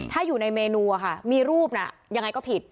ถ้าอยู่ในเมนูมีรูปน่ะยังไงก็ผิด